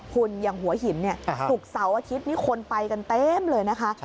หุ่นอย่างหัวหินเนี่ยถูกเสาอาทิตย์นี้คนไปกันเต็มเลยนะคะ